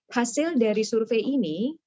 hasil dari survei ini